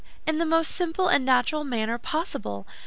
In the most simple and natural manner possible.